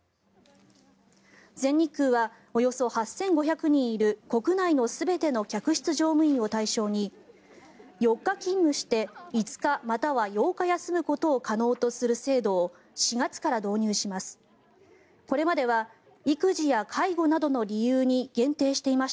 全日空はおよそ８５００人いる国内の全ての客室乗務員を対象に４日勤務して５日または８日休むことを可能とする制度を４月から導入します。